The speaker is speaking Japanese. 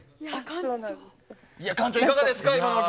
館長いかがですか？